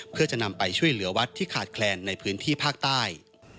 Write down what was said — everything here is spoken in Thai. เพื่อจะนำไปช่วยเหลือวัดที่ขาดแคลนในพื้นที่ภาคใต้